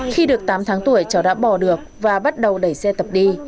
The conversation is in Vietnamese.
khi được tám tháng tuổi cháu đã bỏ được và bắt đầu đẩy xe tập đi